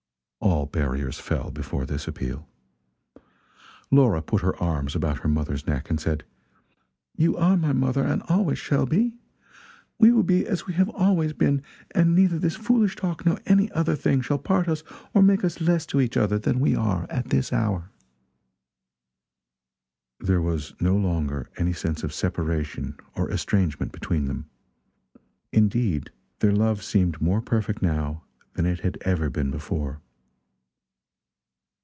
All barriers fell, before this appeal. Laura put her arms about her mother's neck and said: "You are my mother, and always shall be. We will be as we have always been; and neither this foolish talk nor any other thing shall part us or make us less to each other than we are this hour." There was no longer any sense of separation or estrangement between them. Indeed their love seemed more perfect now than it had ever been before.